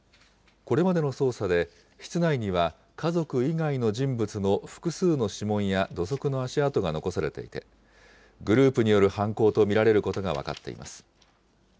これまでの捜査で、室内には家族以外の人物の複数の指紋や土足の足跡が残されていて、グループによる犯行と見られることが分かっています。